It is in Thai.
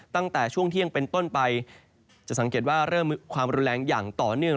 ตั้งแต่ช่วงเที่ยงเป็นต้นไปจะสังเกตว่าเริ่มมีความรุนแรงอย่างต่อเนื่อง